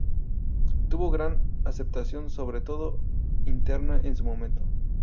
Tuvo gran aceptación sobre todo interna en su momento.